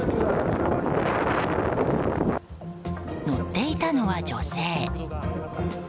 乗っていたのは、女性。